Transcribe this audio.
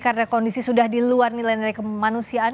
karena kondisi sudah di luar nilai nilai kemanusiaan